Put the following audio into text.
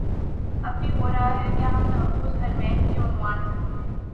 اب بھی ہو رہاہے کیا ہم تحفظ حرمین کے عنوان سے ہونے